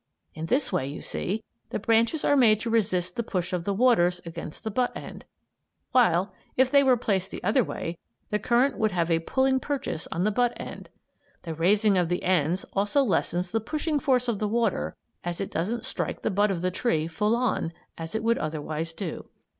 In this way, you see, the branches are made to resist the push of the waters against the butt end; while, if they were placed the other way, the current would have a pulling purchase on the butt end. The raising of the ends also lessens the pushing force of the water as it doesn't strike the butt of the tree "full on," as it would otherwise do.